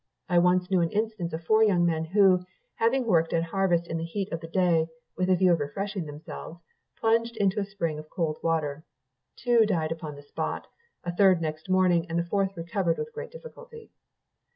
I once knew an instance of four young men who, having worked at harvest in the heat of the day, with a view of refreshing themselves, plunged into a spring of cold water; two died upon the spot, a third next morning, and the fourth recovered with great difficulty.